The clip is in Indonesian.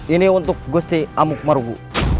ini untuk gusti amukmarugu